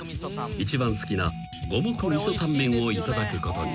［一番好きな五目味噌タンメンをいただくことに］